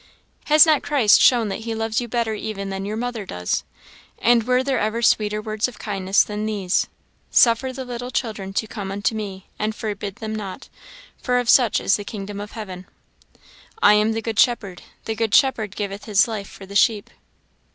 "Has not Christ shown that he loves you better even than your mother does? And were there ever sweeter words of kindness than these? " 'Suffer the little children to come unto me, and forbid them not; for of such is the kingdom of heaven.' " 'I am the good shepherd; the good shepherd giveth his life for the sheep.'